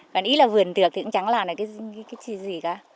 còn ý là vườn tược thì cũng chẳng làm cái gì cả